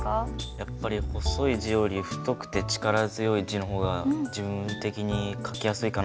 やっぱり細い字より太くて力強い字の方が自分的に書きやすいかなと思ったので。